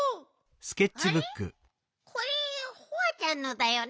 あれこれホワちゃんのだよね？